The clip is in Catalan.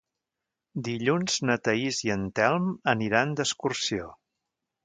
Dilluns na Thaís i en Telm aniran d'excursió.